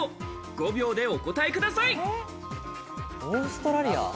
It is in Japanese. ５秒でお答えください。